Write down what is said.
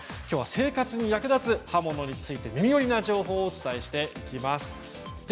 きょうは生活に役立つ刃物について耳寄りな情報をお伝えしていきます。